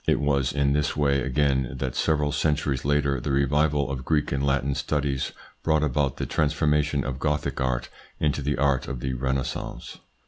It was in this way again that, several centuries later, the revival of Greek and Latin studies brought about the transformation of Gothic art into the art of the Renaissance.